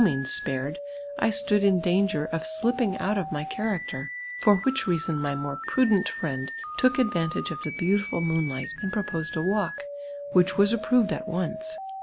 means Fprirofl, I stood in danp^cr of slipjnng out of my cliarac ter, for wliich reason ray more prudent friend took advuntaj^e of the beautiful moonlight, and proposed ii walk, whieh was approved at once.